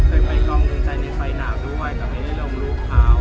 เคยไปกล้องมือใส่ในไฟหนาวด้วยแต่ไม่ได้ร่วมรู้ครับ